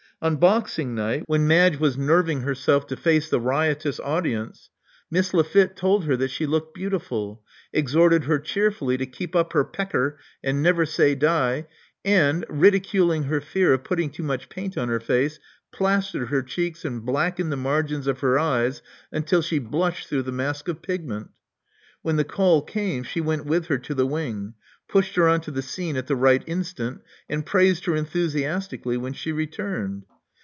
On boxing night, when Madge was nerving 146 Love Among the Artists herself to face the riotous audience, Miss Lafitte told her that she looked beautiful ; exhorted her cheerfully to keep up her pecker and never say die ; and, ridicul ing her fear of putting too much paint on her face, plastered her cheeks and blackened the margins of her eyes until she blushed though the mask of pigment When the call came, she went with her to the wing; pushed her on to the scene at the right instant; and praised her enthusiastically when she returned.